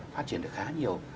phát triển được khá nhiều